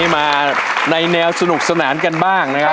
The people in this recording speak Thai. มาในแนวสนุกสนานกันบ้างนะครับ